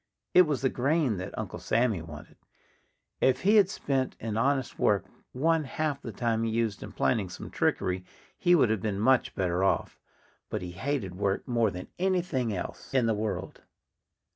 It was the grain that Uncle Sammy wanted. If he had spent in honest work one half the time he used in planning some trickery he would have been much better off. But he hated work more than anything else in the world.